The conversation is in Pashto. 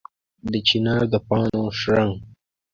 د چنار د پاڼو شرنګ